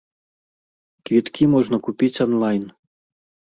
Квіткі можна купіць анлайн.